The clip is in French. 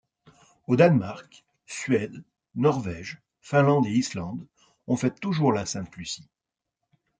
Au Danemark, Suède, Norvège, Finlande et Islande on fête toujours la Sainte Lucie.